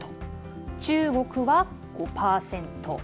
中国は５％。